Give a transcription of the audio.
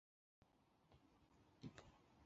委员会推举方宗鳌为代表中国大学。